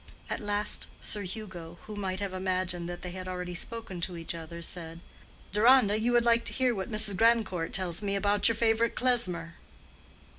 At last Sir Hugo, who might have imagined that they had already spoken to each other, said, "Deronda, you will like to hear what Mrs. Grandcourt tells me about your favorite Klesmer."